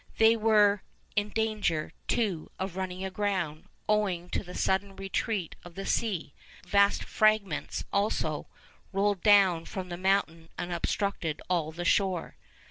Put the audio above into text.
'They were in danger, too, of running aground, owing to the sudden retreat of the sea; vast fragments, also, rolled down from the mountain and obstructed all the shore.